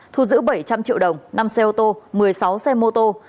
thu giữ bảy trăm linh triệu đồng năm xe ô tô một mươi sáu xe mô tô